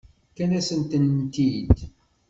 Fkan-asent-tent-id.